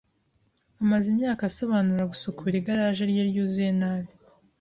amaze imyaka asobanura gusukura igaraje rye ryuzuye nabi.